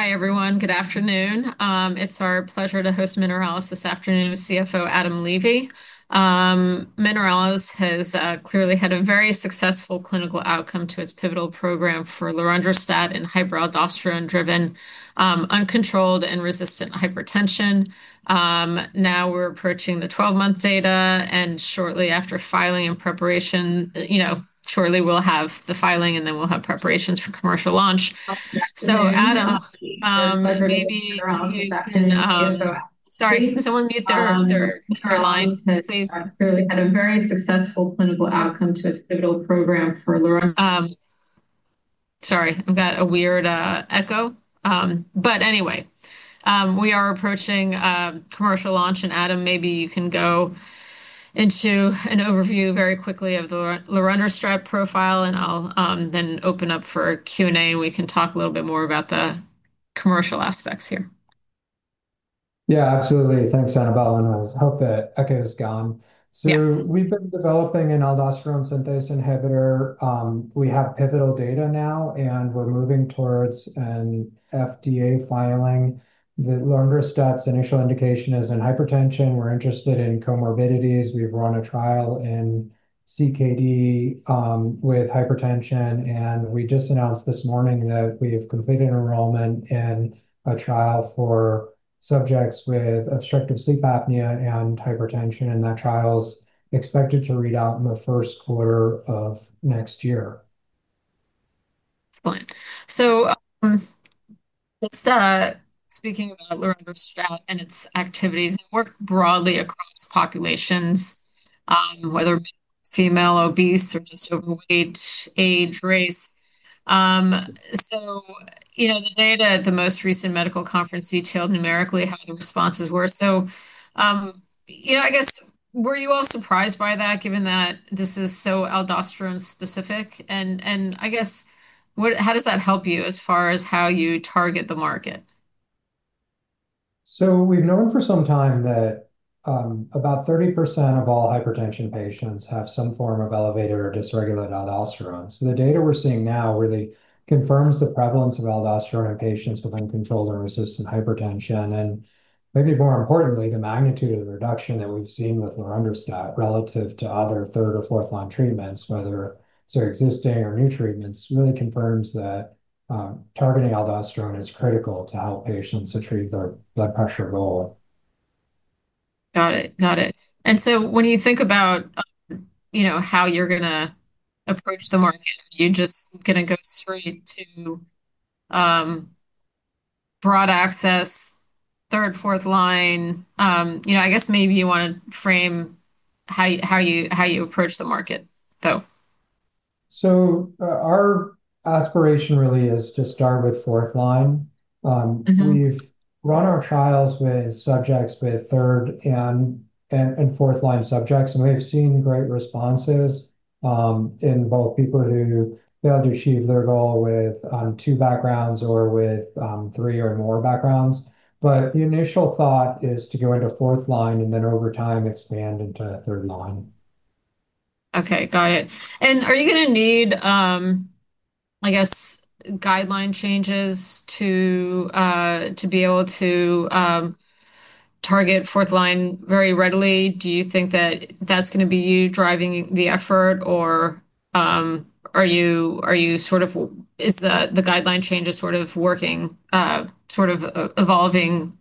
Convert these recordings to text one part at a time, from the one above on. Hi, everyone. Good afternoon. It's our pleasure to host Mineralys this afternoon with CFO Adam Levy. Mineralys has clearly had a very successful clinical outcome to its pivotal program for lorundrostat in hyperaldosteronism-driven, uncontrolled and resistant hypertension. Now we're approaching the 12-month data, and shortly after filing and preparation, shortly we'll have the filing, and then we'll have preparations for commercial launch. So, Adam, maybe... Can someone mute their line, please? Clearly had a very successful clinical outcome to its pivotal program for—sorry, I've got a weird echo. Anyway, we are approaching commercial launch, and Adam, maybe you can go into an overview very quickly of the lorundrostat profile, and I'll then open up for Q&A, and we can talk a little bit more about the commercial aspects here. Yeah, absolutely. Thanks, Annabel, and I hope the echo's gone. We've been developing an aldosterone synthase inhibitor. We have pivotal data now, and we're moving towards an FDA filing. The lorundrostat's initial indication is in hypertension. We're interested in comorbidities. We've run a trial in chronic kidney disease, with hypertension, and we just announced this morning that we've completed enrollment in a trial for subjects with obstructive sleep apnea and hypertension, and that trial's expected to read out in the first quarter of next year. Excellent. Let's start speaking about lorundrostat and its activities. It works broadly across populations, whether it be female, obese, or just overweight, age, race. The data at the most recent medical conference detailed numerically how the responses were. I guess, were you all surprised by that given that this is so aldosterone-specific? What how does that help you as far as how you target the market? We've known for some time that about 30% of all hypertension patients have some form of elevated or dysregulated aldosterone. The data we're seeing now really confirms the prevalence of aldosterone in patients with uncontrolled or resistant hypertension, and maybe more importantly, the magnitude of the reduction that we've seen with lorundrostat relative to other third or fourth-line treatments, whether they're existing or new treatments, really confirms that targeting aldosterone is critical to how patients achieve their blood pressure goal. Got it. When you think about how you're going to approach the market, are you just going to go straight to broad access, third, fourth line? I guess maybe you want to frame how you approach the market, though. Our aspiration really is to start with fourth-line. We've run our trials with subjects with third- and fourth-line subjects, and we've seen great responses in both people who failed to achieve their goal with two backgrounds or with three or more backgrounds. The initial thought is to go into fourth-line, and then over time expand into third-line. Okay. Got it. Are you going to need, I guess, guideline changes to be able to target fourth-line very readily? Do you think that's going to be you driving the effort, or are the guideline changes evolving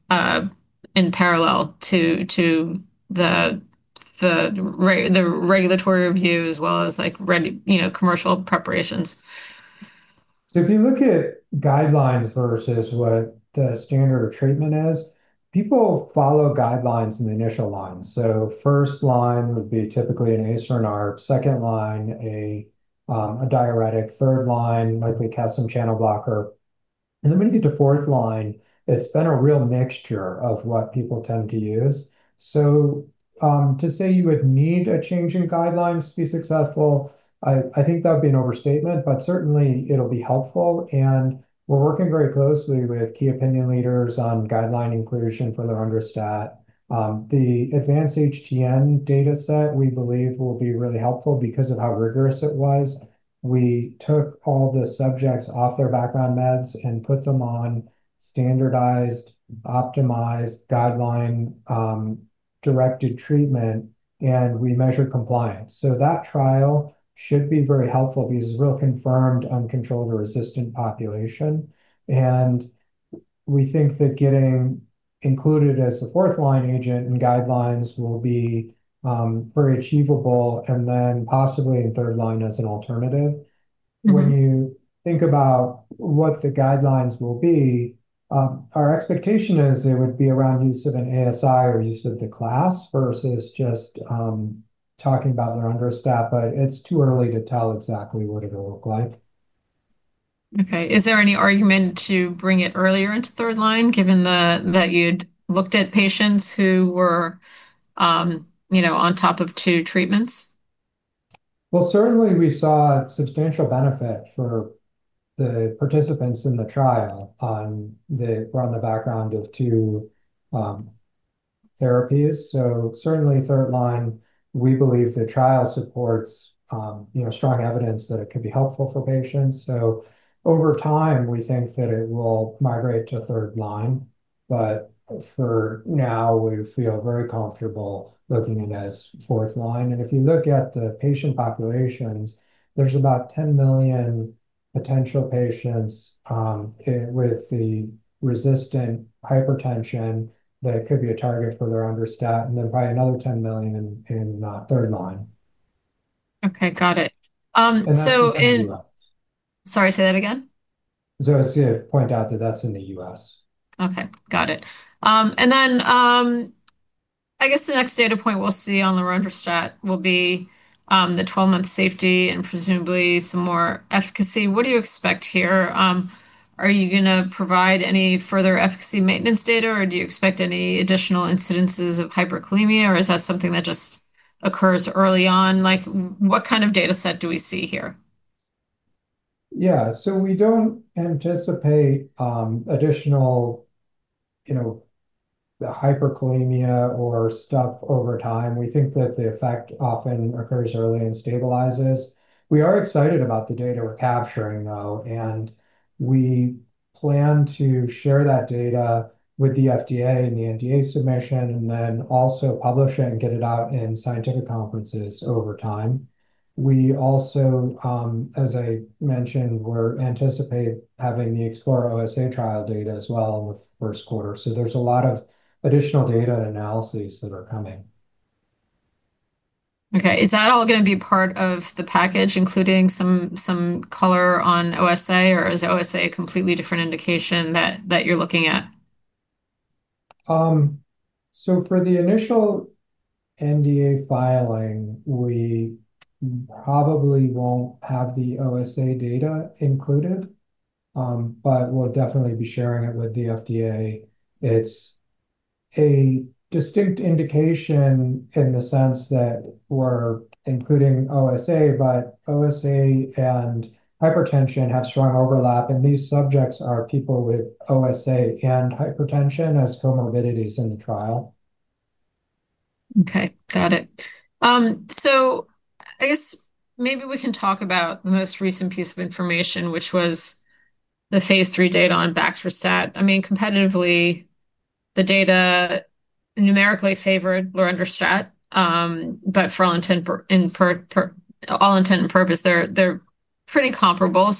in parallel to the regulatory review as well as, like, ready commercial preparations? If you look at guidelines versus what the standard of treatment is, people follow guidelines in the initial line. First line would be typically an ACE or an ARB, second line a diuretic, third line likely calcium channel blocker, and when you get to fourth line, it's been a real mixture of what people tend to use. To say you would need a change in guidelines to be successful, I think that would be an overstatement, but certainly it'll be helpful, and we're working very closely with key opinion leaders on guideline inclusion for lorundrostat. The Advance-HTN data set we believe will be really helpful because of how rigorous it was. We took all the subjects off their background meds and put them on standardized, optimized guideline-directed treatment, and we measured compliance. That trial should be very helpful because it really confirmed uncontrolled or resistant population, and we think that getting included as a fourth-line agent in guidelines will be very achievable, and then possibly in third line as an alternative. When you think about what the guidelines will be, our expectation is it would be around use of an aldosterone synthase inhibitor or use of the class versus just talking about lorundrostat, but it's too early to tell exactly what it'll look like. Okay. Is there any argument to bring it earlier into third-line, given that you'd looked at patients who were, you know, on top of two treatments? Certainly, we saw substantial benefit for the participants in the trial on the background of two therapies. Certainly, third line, we believe the trial supports strong evidence that it could be helpful for patients. Over time, we think that it will migrate to third line, but for now we feel very comfortable looking at it as fourth line. If you look at the patient populations, there's about 10 million potential patients with resistant hypertension that could be a target for lorundrostat, and then probably another 10 million in third line. Okay. Got it. Sorry, say that again? I was going to point out that that's in the U.S. Okay. Got it. I guess the next data point we'll see on lorundrostat will be the 12-month safety and presumably some more efficacy. What do you expect here? Are you going to provide any further efficacy maintenance data, or do you expect any additional incidences of hyperkalemia, or is that something that just occurs early on? Like, what kind of data set do we see here? Yeah. We don't anticipate additional, you know, the hyperkalemia or stuff over time. We think that the effect often occurs early and stabilizes. We are excited about the data we're capturing, though, and we plan to share that data with the FDA in the NDA submission, and then also publish it and get it out in scientific conferences over time. We also, as I mentioned, anticipate having the EXPLORE OSA trial data as well in the first quarter. There's a lot of additional data and analyses that are coming. Okay. Is that all going to be part of the package, including some color on OSA, or is OSA a completely different indication that you're looking at? For the initial NDA filing, we probably won't have the OSA data included, but we'll definitely be sharing it with the FDA. It's a distinct indication in the sense that we're including OSA, but OSA and hypertension have strong overlap, and these subjects are people with OSA and hypertension as comorbidities in the trial. Okay. Got it. I guess maybe we can talk about the most recent piece of information, which was the phase III data on Baxdrostat. I mean, competitively, the data numerically favored lorundrostat, but for all intent and purpose, they're pretty comparable.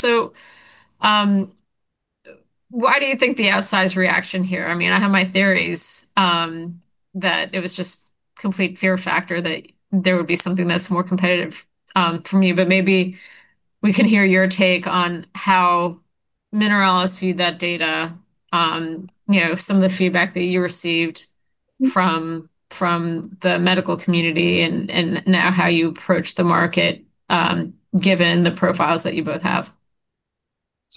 Why do you think the outsized reaction here? I mean, I have my theories, that it was just complete fear factor that there would be something that's more competitive, from you, but maybe we can hear your take on how Mineralys viewed that data, you know, some of the feedback that you received from the medical community, and now how you approach the market, given the profiles that you both have.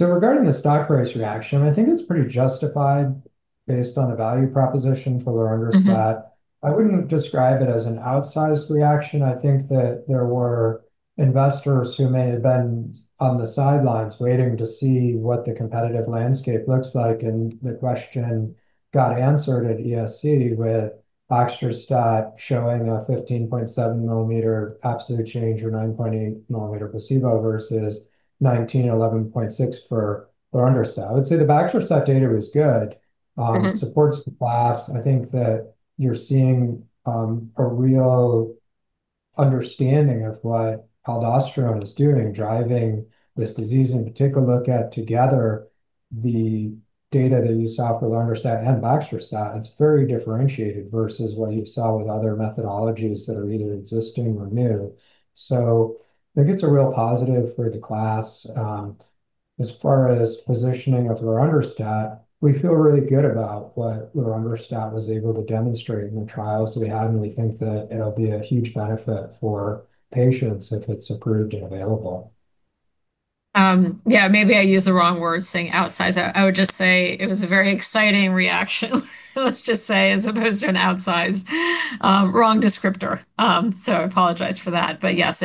Regarding the stock price reaction, I think it's pretty justified based on the value proposition for lorundrostat. I wouldn't describe it as an outsized reaction. I think that there were investors who may have been on the sidelines waiting to see what the competitive landscape looks like, and the question got answered at ESC with Baxdrostat showing a 15.7 ml absolute change or 9.8 ml placebo versus 19.1/11.6 for lorundrostat. I would say the Baxdrostat data was good. It supports the class. I think that you're seeing a real understanding of what aldosterone is doing driving this disease, and if we take a look at together the data that you saw for lorundrostat and Baxdrostat, it's very differentiated versus what you've seen with other methodologies that are either existing or new. I think it's a real positive for the class. As far as positioning of lorundrostat, we feel really good about what lorundrostat was able to demonstrate in the trials we had, and we think that it'll be a huge benefit for patients if it's approved and available. Maybe I used the wrong word saying outsized. I would just say it was a very exciting reaction, let's just say, as opposed to an outsized, wrong descriptor. I apologize for that, but yes,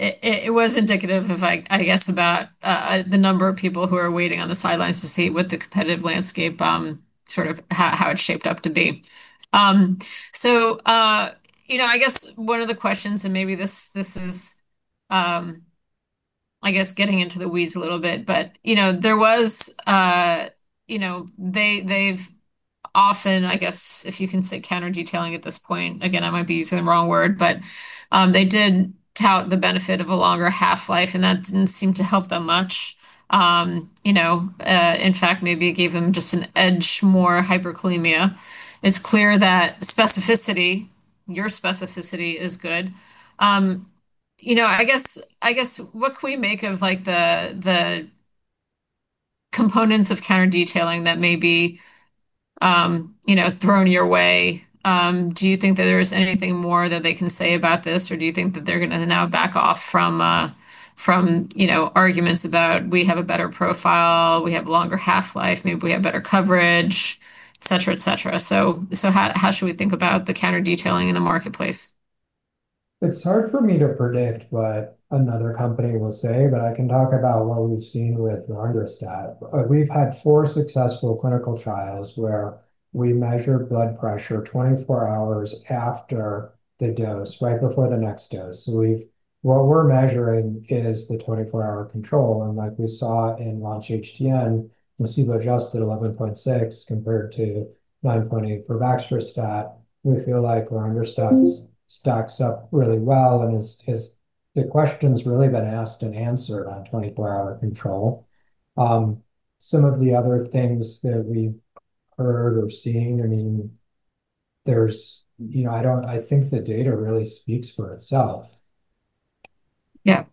it was indicative of about the number of people who are waiting on the sidelines to see what the competitive landscape, sort of how it's shaped up to be. I guess one of the questions, and maybe this is getting into the weeds a little bit, but there was, they've often, if you can say counter-detailing at this point, again, I might be using the wrong word, but they did tout the benefit of a longer half-life, and that didn't seem to help them much. In fact, maybe it gave them just an edge more hyperkalemia. It's clear that specificity, your specificity is good. What can we make of the components of counter-detailing that may be thrown your way? Do you think that there's anything more that they can say about this, or do you think that they're going to now back off from arguments about we have a better profile, we have a longer half-life, maybe we have better coverage, et cetera? How should we think about the counter-detailing in the marketplace? It's hard for me to predict what another company will say, but I can talk about what we've seen with lorundrostat. We've had four successful clinical trials where we measured blood pressure 24 hours after the dose, right before the next dose. What we're measuring is the 24-hour control, and like we saw in LAUNCH HTN, placebo-adjusted 11.6 compared to 9.8 for Baxdrostat. We feel like lorundrostat stacks up really well, and the question's really been asked and answered on 24-hour control. Some of the other things that we've heard or seen, I mean, there's, you know, I don't, I think the data really speaks for itself. Yeah.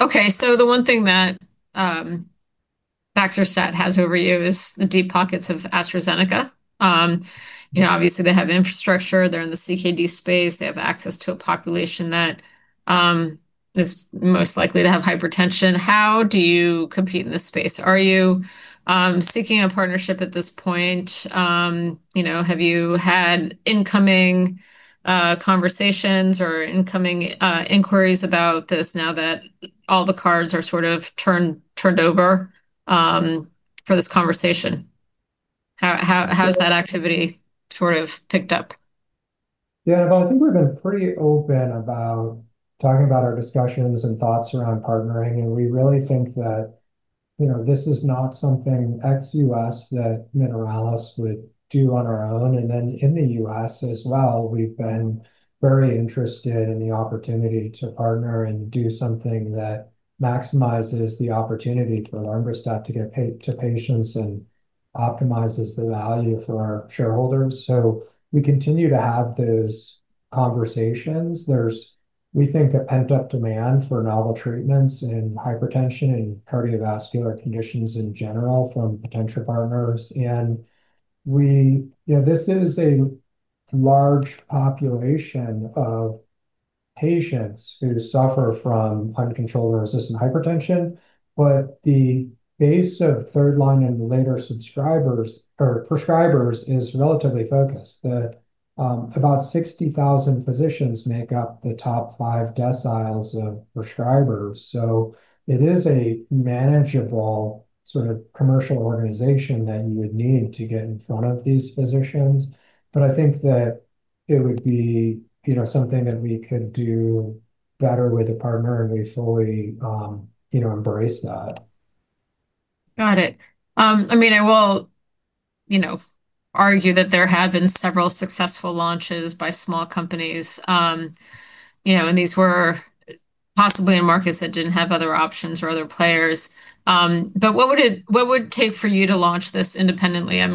Okay. The one thing that Baxdrostat has over you is the deep pockets of AstraZeneca. You know, obviously they have infrastructure, they're in the CKD space, they have access to a population that is most likely to have hypertension. How do you compete in this space? Are you seeking a partnership at this point? You know, have you had incoming conversations or incoming inquiries about this now that all the cards are sort of turned over for this conversation? How has that activity sort of picked up? Yeah, I think we've been pretty open about talking about our discussions and thoughts around partnering, and we really think that, you know, this is not something ex-U.S. that Mineralys would do on our own, and then in the U.S. as well, we've been very interested in the opportunity to partner and do something that maximizes the opportunity for lorundrostat to get paid to patients and optimizes the value for shareholders. We continue to have those conversations. There's, we think, a pent-up demand for novel treatments in hypertension and cardiovascular conditions in general from potential partners, and we, you know, this is a large population of patients who suffer from uncontrolled or resistant hypertension, but the base of third-line and later subscribers or prescribers is relatively focused. About 60,000 physicians make up the top five deciles of prescribers. It is a manageable sort of commercial organization that you would need to get in front of these physicians, but I think that it would be, you know, something that we could do better with a partner, and we fully, you know, embrace that. Got it. I mean, I will argue that there have been several successful launches by small companies, and these were possibly in markets that didn't have other options or other players. What would it take for you to launch this independently? I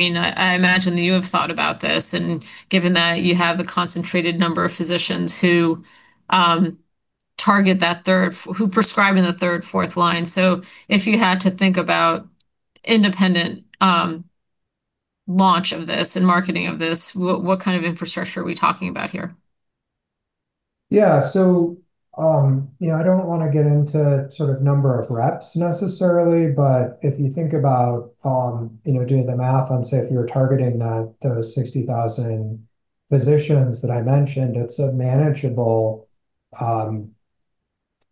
imagine that you have thought about this, and given that you have a concentrated number of physicians who target that third, who prescribe in the third, fourth line. If you had to think about an independent launch of this and marketing of this, what kind of infrastructure are we talking about here? Yeah. I don't want to get into sort of number of reps necessarily, but if you think about doing the math on, say, if you were targeting those 60,000 physicians that I mentioned, it's a manageable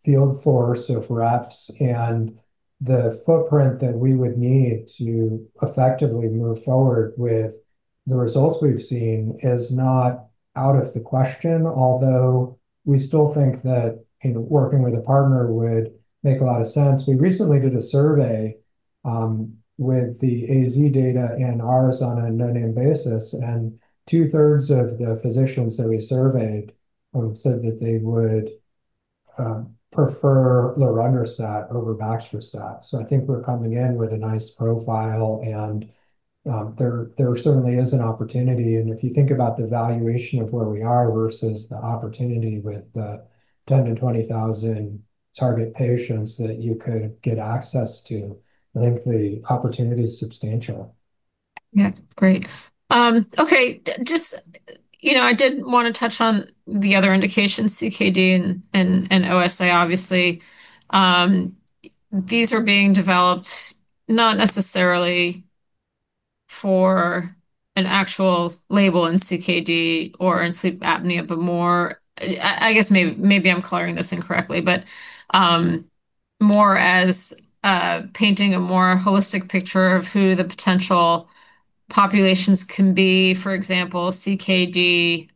field force of reps, and the footprint that we would need to effectively move forward with the results we've seen is not out of the question, although we still think that working with a partner would make a lot of sense. We recently did a survey, with the AZ data and ours on a no-name basis, and two-thirds of the physicians that we surveyed said that they would prefer lorundrostat over Baxdrostat. I think we're coming in with a nice profile, and there certainly is an opportunity, and if you think about the valuation of where we are versus the opportunity with the 10,000-20,000 target patients that you could get access to, I think the opportunity is substantial. Yeah. Great. Okay. I did want to touch on the other indications, CKD and OSA, obviously. These are being developed not necessarily for an actual label in CKD or in sleep apnea, but more, I guess maybe I'm coloring this incorrectly, but more as painting a more holistic picture of who the potential populations can be. For example, CKD,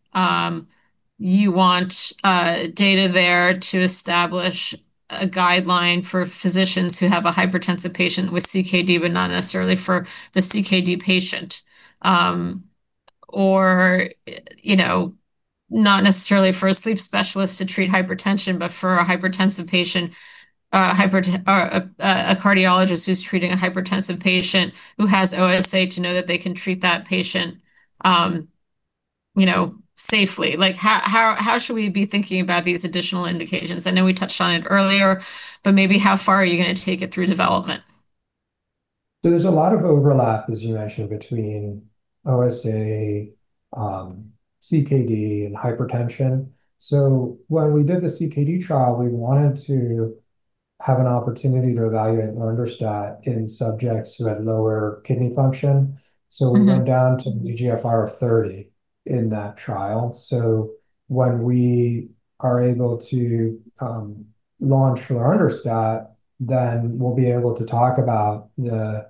you want data there to establish a guideline for physicians who have a hypertensive patient with CKD, but not necessarily for the CKD patient, or not necessarily for a sleep specialist to treat hypertension, but for a hypertensive patient, a cardiologist who's treating a hypertensive patient who has OSA to know that they can treat that patient safely. How should we be thinking about these additional indications? I know we touched on it earlier, but maybe how far are you going to take it through development? There is a lot of overlap, as you mentioned, between OSA, CKD, and hypertension. When we did the CKD trial, we wanted to have an opportunity to evaluate lorundrostat in subjects who had lower kidney function. We went down to an eGFR of 30 in that trial. When we are able to launch lorundrostat, then we'll be able to talk about the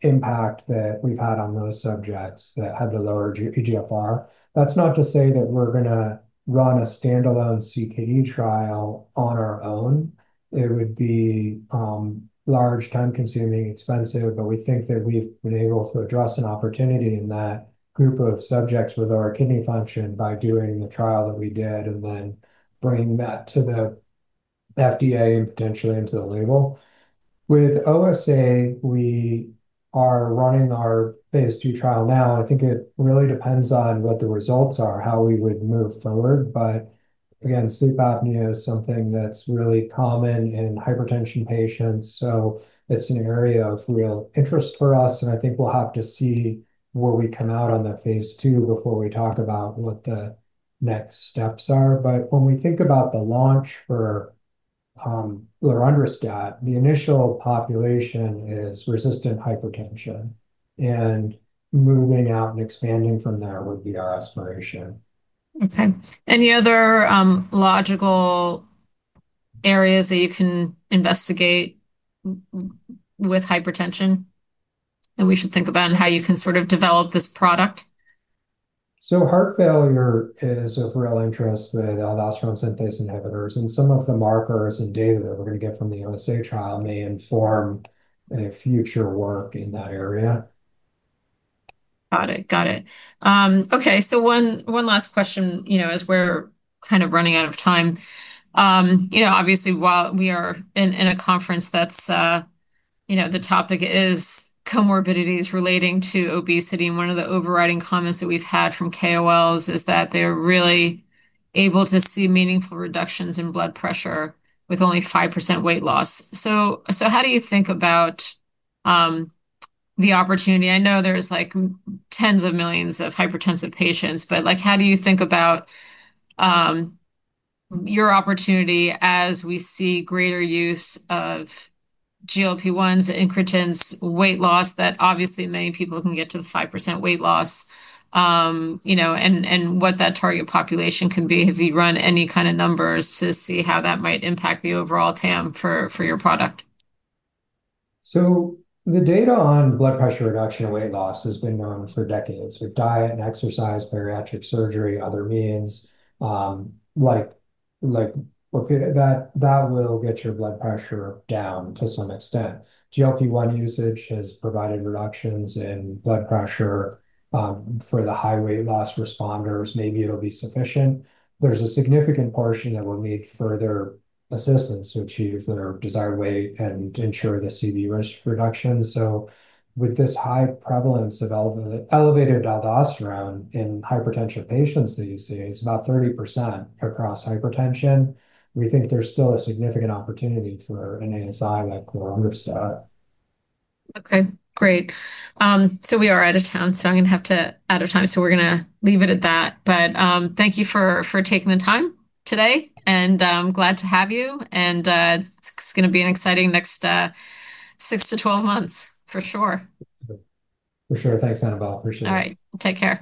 impact that we've had on those subjects that had the lower eGFR. That's not to say that we're going to run a standalone CKD trial on our own. It would be large, time-consuming, expensive, but we think that we've been able to address an opportunity in that group of subjects with lower kidney function by doing the trial that we did and then bringing that to the FDA and potentially into the label. With OSA, we are running our phase II trial now, and I think it really depends on what the results are, how we would move forward. Sleep apnea is something that's really common in hypertension patients. It is an area of real interest for us, and I think we'll have to see where we come out on that phase II before we talk about what the next steps are. When we think about the launch for lorundrostat, the initial population is resistant hypertension, and moving out and expanding from there would be our aspiration. Okay. Any other logical areas that you can investigate with hypertension that we should think about, and how you can sort of develop this product? Heart failure is of real interest with aldosterone synthase inhibitors, and some of the markers and data that we're going to get from the EXPLORE OSA trial may inform future work in that area. Got it. Okay. One last question, as we're kind of running out of time. Obviously, while we are in a conference that's the topic is comorbidities relating to obesity, and one of the overriding comments that we've had from KOLs is that they're really able to see meaningful reductions in blood pressure with only 5% weight loss. How do you think about the opportunity? I know there's like tens of millions of hypertensive patients, but how do you think about your opportunity as we see greater use of GLP-1s, incretins, weight loss that obviously many people can get to 5% weight loss, and what that target population can be if you run any kind of numbers to see how that might impact the overall TAM for your product? The data on blood pressure reduction and weight loss has been known for decades. Diet and exercise, bariatric surgery, other means like that will get your blood pressure down to some extent. GLP-1 usage has provided reductions in blood pressure for the high weight loss responders. Maybe it'll be sufficient. There's a significant portion that will need further assistance to achieve their desired weight and to ensure the CV risk reduction. With this high prevalence of elevated aldosterone in hypertensive patients that you see, it's about 30% across hypertension. We think there's still a significant opportunity for an ASI like lorundrostat. Okay. Great. We are out of time, so we're going to leave it at that. Thank you for taking the time today, and I'm glad to have you, and it's going to be an exciting next six to 12 months for sure. For sure. Thanks, Annabel. Appreciate it. All right. Take care.